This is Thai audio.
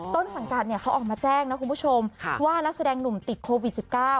ต้นสังกัดเขาออกมาแจ้งนะคุณผู้ชมว่านักแสดงหนุ่มติดโควิด๑๙